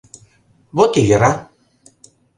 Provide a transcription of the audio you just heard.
— Вот и йӧра.